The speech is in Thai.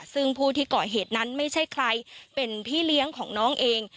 ซึ่งผู้ที่ก่อเหตุนั้นไม่ใช่ใครเป็นพี่เลี้ยงของน้องเอง